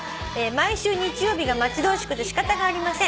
「毎週日曜日が待ち遠しくて仕方がありません」